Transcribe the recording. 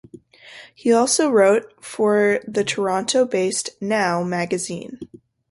He also wrote for the Toronto-based "Now" magazine.